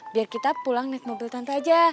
biar kita pulang naik mobil tante aja